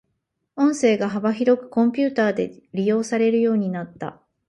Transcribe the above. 音声が幅広くコンピュータで利用されるようになった。